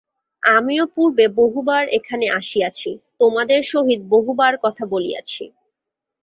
আমিও পূর্বে বহুবার এখানে আসিয়াছি, তোমাদের সহিত বহুবার কথা বলিয়াছি।